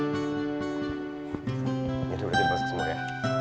ini ada berarti masuk semua ya